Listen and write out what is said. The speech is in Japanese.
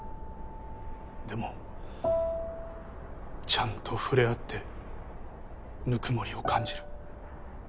でもちゃんと触れ合って温もりを感じる。